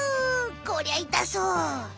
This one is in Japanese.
こりゃいたそう。